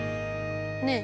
ねえ。